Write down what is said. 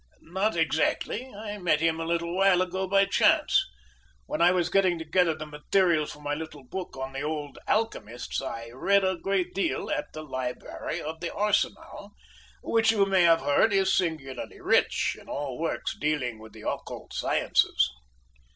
"Not exactly. I met him a little while ago by chance. When I was getting together the material for my little book on the old alchemists I read a great deal at the library of the Arsenal, which, you may have heard, is singularly rich in all works dealing with the occult sciences."